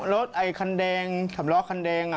รถไอ้คันแดงสำล้อคันแดง